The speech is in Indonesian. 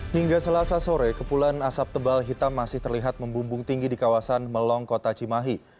hingga selasa sore kepulan asap tebal hitam masih terlihat membumbung tinggi di kawasan melong kota cimahi